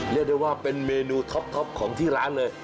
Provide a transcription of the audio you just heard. เรียกได้ว่าเป็นเมนูท็อปของที่ร้านเลย